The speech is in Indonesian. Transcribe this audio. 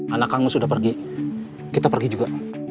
anak kamu sudah pergi kita pergi juga